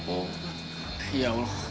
oh ya allah